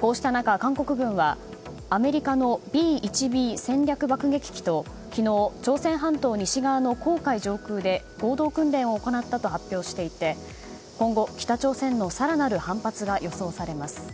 こうした中、韓国軍はアメリカのＢ１Ｂ戦略爆撃機と昨日、朝鮮半島西側の黄海上空で合同訓練を行ったと発表していて今後、北朝鮮の更なる反発が予想されます。